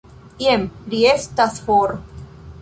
Jen, li estas for.